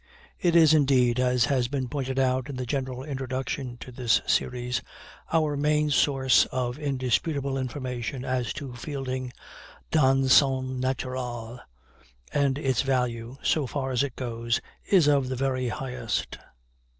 It is indeed, as has been pointed out in the General Introduction to this series, our main source of indisputable information as to Fielding dans son naturel, and its value, so far as it goes, is of the very highest.